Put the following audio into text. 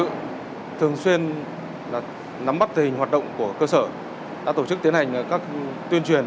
tổ chức thường xuyên nắm bắt hình hoạt động của cơ sở đã tổ chức tiến hành các tuyên truyền